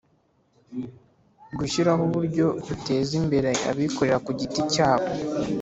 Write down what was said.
gushyiraho uburyo buteza imbere abikorera ku giti cyabo: